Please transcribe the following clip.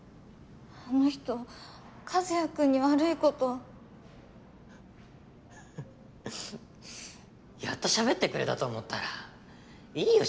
あの人和也くんに悪いことフフッやっとしゃべってくれたと思ったらいいよ